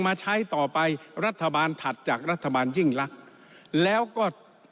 มาใช้ต่อไปรัฐบาลถัดจากรัฐบาลยิ่งรักแล้วก็